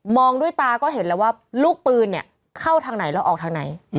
องด้วยตาก็เห็นแล้วว่าลูกปืนเนี่ยเข้าทางไหนแล้วออกทางไหน